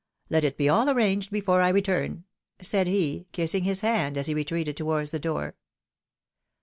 Let it be all arranged before I return," said he, kissing his hand as he re treated towards the door.